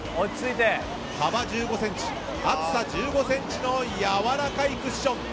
幅１５ｃｍ、厚さ１５ｃｍのやわらかいクッション。